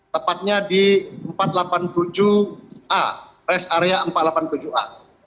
tepatnya di empat ratus delapan puluh tujuh a res area empat ratus delapan puluh tujuh a